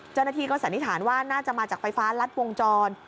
เจ้าหน้าที่ก็สันนิษฐานว่าน่าจะมาจากไฟฟ้ารัดวงจร